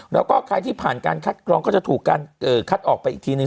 แล้วก็ใครที่ผ่านการคัดกรองก็จะถูกการคัดออกไปอีกทีนึง